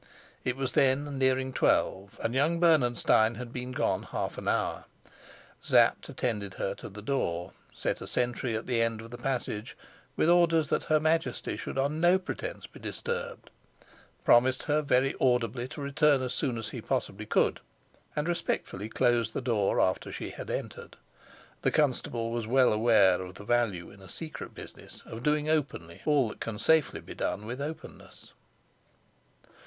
It was then nearing twelve, and young Bernenstein had been gone half an hour. Sapt attended her to the door, set a sentry at the end of the passage with orders that her Majesty should on no pretence be disturbed, promised her very audibly to return as soon as he possibly could, and respectfully closed the door after she had entered. The constable was well aware of the value in a secret business of doing openly all that can safely be done with openness.